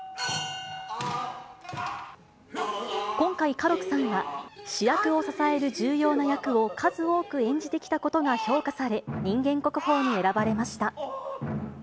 今回、歌六さんは、主役を支える重要な役を数多く演じてきたことが評価され、人間国宝に選ばれました。